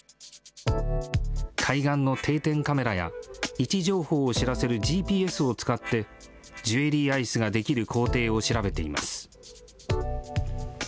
海岸の定点カメラや、位置情報を知らせるＧＰＳを使って、ジュエリーアイスが出来る工程を調べています。